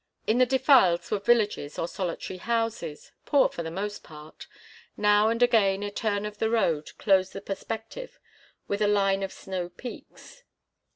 In the defiles were villages, or solitary houses, poor for the most part; now and again a turn of the road closed the perspective with a line of snow peaks.